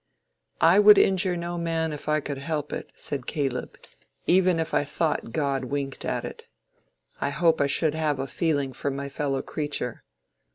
"I would injure no man if I could help it," said Caleb; "even if I thought God winked at it. I hope I should have a feeling for my fellow creature.